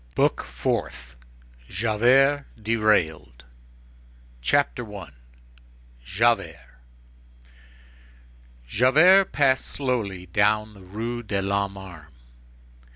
BOOK FOURTH—JAVERT DERAILED CHAPTER I Javert passed slowly down the Rue de l'Homme Armé.